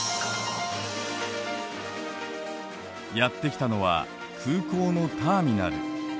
やって来たのは空港のターミナル。